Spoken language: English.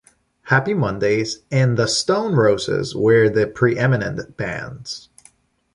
Happy Mondays, and The Stone Roses were the pre-eminent bands.